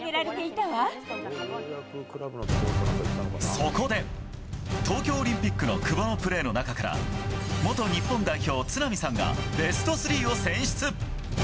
そこで東京オリンピックの久保のプレーの中から元日本代表・都並さんがベスト３を選出。